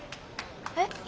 えっ？